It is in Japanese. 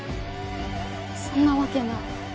そんなわけない。